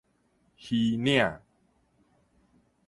魚嶺